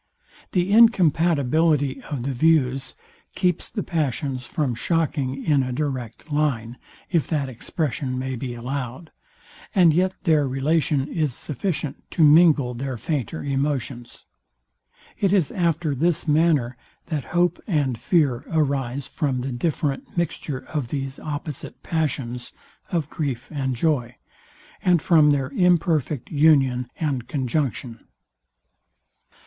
The incompatibility of the views keeps the passions from shocking in a direct line, if that expression may be allowed; and yet their relation is sufficient to mingle their fainter emotions. It is after this manner that hope and fear arise from the different mixture of these opposite passions of grief and joy, and from their imperfect union and conjunction.